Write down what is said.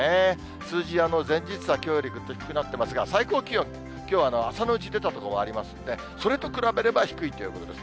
数字、前日差、きょうよりぐっと低くなってますが、最高気温、きょうは朝のうちに出た所もありますので、それと比べれば低いということです。